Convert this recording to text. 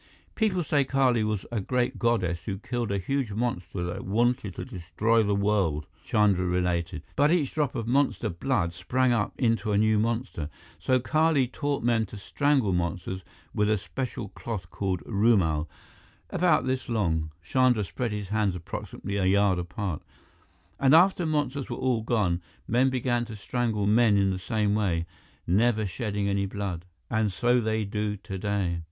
"People say Kali was a great goddess who killed a huge monster that wanted to destroy the world," Chandra related. "But each drop of monster blood sprang up into a new monster. So Kali taught men to strangle monsters with a special cloth called rumal, about this long" Chandra spread his hands approximately a yard apart "and after monsters were all gone, men began to strangle men in the same way, never shedding any blood. And so they do today."